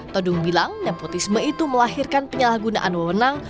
todung bilang nepotisme itu melahirkan penyalahgunaan wewenang